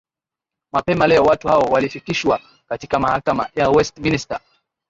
mapema leo watu hao walifikishwa katika mahakama ya west minister